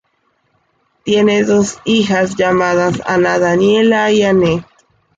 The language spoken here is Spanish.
Tiene dos hijas llamadas Ana Daniela y Annette.